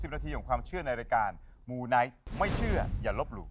นาทีของความเชื่อในรายการมูไนท์ไม่เชื่ออย่าลบหลู่